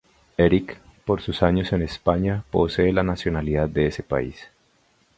Erick, por sus años en España, posee la nacionalidad de ese país.